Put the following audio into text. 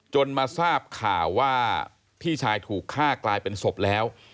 มาทราบข่าวว่าพี่ชายถูกฆ่ากลายเป็นศพแล้ว